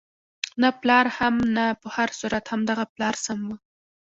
نه پلار هم نه، په هر صورت همدغه پلار سم وو.